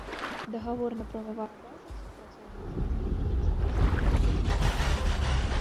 Дагаворна-прававая база супрацоўніцтва знаходзіцца ў стадыі фарміравання.